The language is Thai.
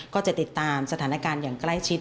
ก็จะติดตามสถานการณ์อย่างใกล้ชิด